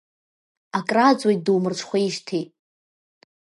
Акрааҵуеит думырҽхәеижьҭеи.